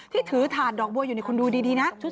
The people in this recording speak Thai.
ที่ถือถาดดอกบัวอยู่นี่คุณดูดีนะ